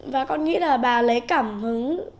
và con nghĩ là bà lấy cảm hứng